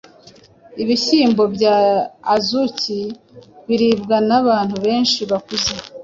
Ibihyimbo bya Azuki biribwa n abantu benhi bakuze